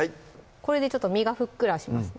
これでちょっと身がふっくらします